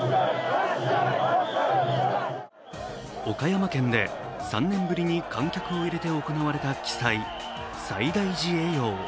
岡山県で３年ぶりに観客を入れて行われた奇祭、西大寺会陽。